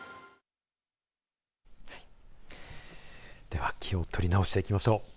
では、気を取り直していきましょう。